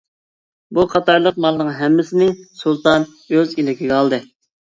بۇ قاتارلىق مالنىڭ ھەممىسىنى سۇلتان ئۆز ئىلكىگە ئالدى.